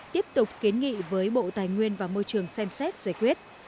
tiếp tục kiến nghị với bộ tài nguyên và môi trường xem xét giải quyết